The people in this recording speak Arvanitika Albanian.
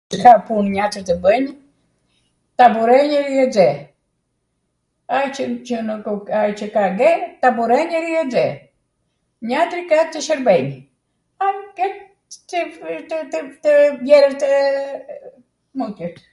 Ca pun njatwr tw bwnjn. Taburenj edhe iexhe. Ai qw nukw ka... ai qw ka ge, taburenj edh iexhe. Njatri ka tw shwrbej. [???]